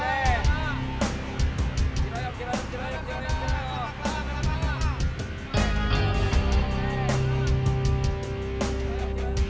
kelapa kelapa kelapa kelapa